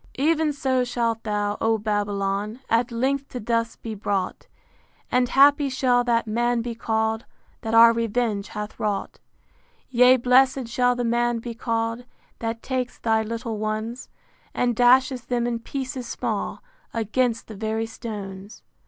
Ev'n so shalt thou, O Babylon! At length to dust be brought: And happy shall that man be call'd, That our revenge hath wrought. X. Yea, blessed shall the man be call'd That takes thy little ones, And dasheth them in pieces small Against the very stones.